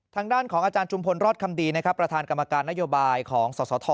ทางด้านของอาจารย์จุมพลรอดคำดีนะครับประธานกรรมการนโยบายของสสท